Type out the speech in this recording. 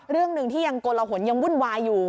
เรื่องหนึ่งที่ยังโกลหนยังวุ่นวายอยู่